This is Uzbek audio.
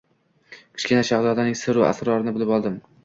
Kichkina shahzodaning sir-u asrorini bilib oldim.